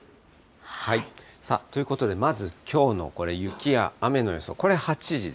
ということで、まずきょうのこれ、雪や雨の予想。